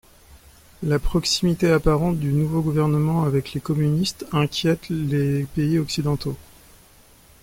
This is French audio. La proximité apparente du nouveau gouvernement avec les communistes inquiète les pays occidentaux.